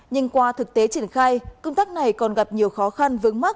nhưng qua thực tế triển khai công tác này còn gặp nhiều khó khăn vướng mắt